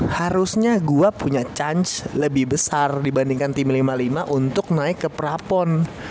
harusnya gue punya chance lebih besar dibandingkan tim lima puluh lima untuk naik ke prapon